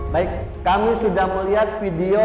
baik kami sudah melihat video